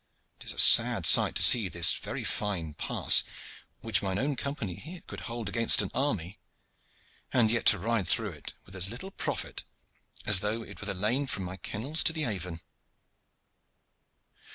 It is a sad sight to see this very fine pass, which my own Company here could hold against an army, and yet to ride through it with as little profit as though it were the lane from my kennels to the Avon."